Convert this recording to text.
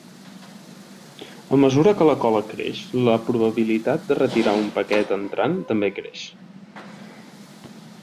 A mesura que la cola creix, la probabilitat de retirar un paquet entrant també creix.